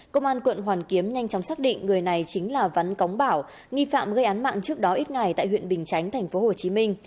công an quận hoàn kiếm nhanh chóng xác định người này chính là vắn cóng bảo nghi phạm gây án mạng trước đó ít ngày tại huyện bình chánh tp hcm